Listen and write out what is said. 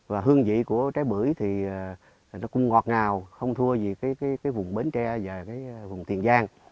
và hương vị của trái bưởi thì nó cũng ngọt ngào không thua gì cái vùng bến tre và cái vùng tiền giang